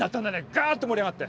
グッと盛り上がって。